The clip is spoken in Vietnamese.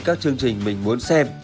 các chương trình mình muốn xem